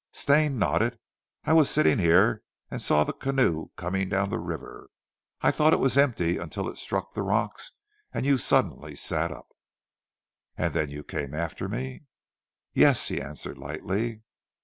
Stane nodded. "I was sitting here and saw the canoe coming down the river. I thought it was empty until it struck the rocks and you suddenly sat up." "And then you came after me?" "Yes," he answered lightly.